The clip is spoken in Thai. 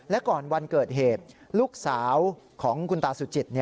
และก่อนวันเกิดเหตุลูกสาวของคุณตาสุจิต